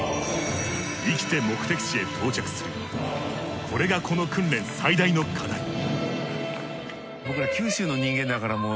生きて目的地へ到着するこれがこの訓練最大の課題。